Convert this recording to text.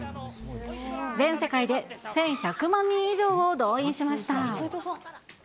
全世界で１１００万人以上を動員しました。